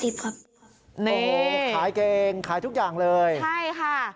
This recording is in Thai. โอ้โหขายเก่งขายทุกอย่างเลยใช่ค่ะ